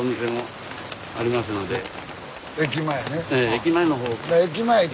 駅前の方。